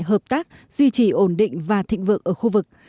hợp tác duy trì ổn định và thịnh vượng ở khu vực